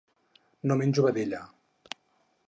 No menjo vedella.